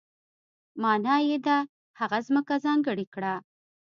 معنا یې ده هغه ځمکه ځانګړې کړه.